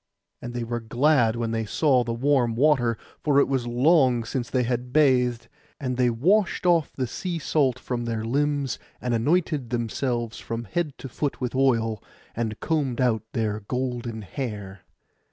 And they were glad when they saw the warm water, for it was long since they had bathed. And they washed off the sea salt from their limbs, and anointed themselves from head to foot with oil, and combed out their golden hair.